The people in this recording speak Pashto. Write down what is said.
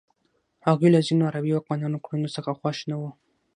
هغوی له ځینو عربي واکمنانو کړنو څخه خوښ نه وو.